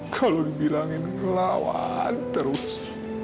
kalau dibilangin ngelawan terus